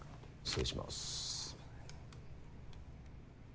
失礼します。